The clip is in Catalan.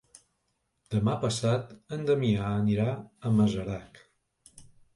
Demà passat en Damià anirà a Masarac.